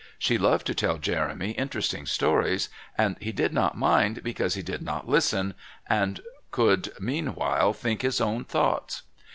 She loved to tell Jeremy interesting stories, and he did not mind because he did not listen and could meanwhile think his own thoughts.